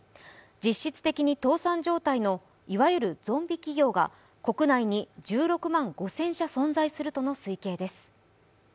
実質的に倒産状態のいわゆるゾンビ企業が国内に１６万５０００社存在するとの推計です。